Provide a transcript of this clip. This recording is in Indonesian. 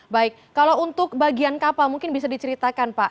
baik kalau untuk bagian kapal mungkin bisa diceritakan pak